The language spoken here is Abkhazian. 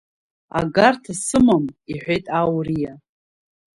Агарҭа сымам, – иҳәеит ауриа.